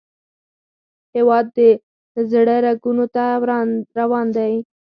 هیواد د زړه رګونو ته روان دی